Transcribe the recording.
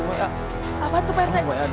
apaan tuh prt